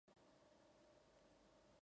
Francisco Eduardo Lee López.